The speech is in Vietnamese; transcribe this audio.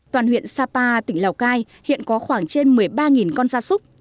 toàn huyện sapa tỉnh lào cai hiện có khoảng trên một mươi ba con da súc